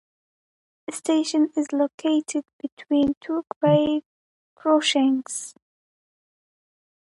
The station is located between two grade crossings.